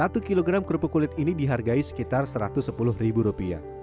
satu kilogram kerupuk kulit ini dihargai sekitar satu ratus sepuluh ribu rupiah